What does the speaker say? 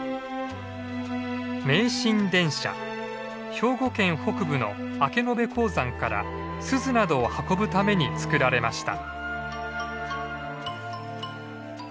兵庫県北部の明延鉱山からスズなどを運ぶために造られました。